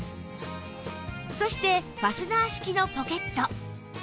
そしてファスナー式のポケット